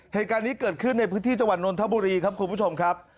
เหตุการณ์นี้เกิดขึ้นในพื้นที่จังหวัดนนทบุรีครับคุณผู้ชมครับ